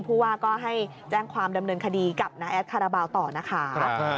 ผู้ว่าก็ให้แจ้งความดำเนินคดีกับน้าแอดคาราบาลต่อนะคะ